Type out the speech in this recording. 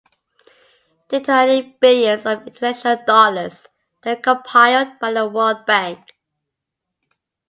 Data are in billions of international dollars; they were compiled by the World Bank.